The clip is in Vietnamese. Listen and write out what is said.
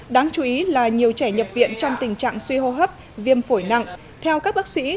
đáng chú ý là nhiều trẻ nhập viện trong tình trạng suy hô hấp viêm phổi nặng theo các bác sĩ